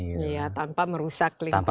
iya tanpa merusak lingkungan